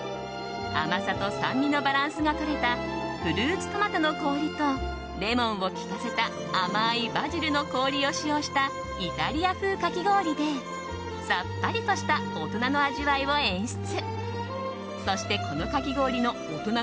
甘さと酸味のバランスがとれたフルーツトマトの氷とレモンをきかせた甘いバジルの氷を使用したイタリア風かき氷でさっぱりとした大人の味わいを演出。